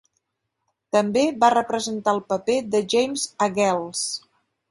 També va representar el paper de Jame a "Girls".